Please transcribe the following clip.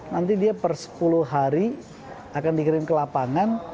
nanti dia per sepuluh hari akan dikirim ke lapangan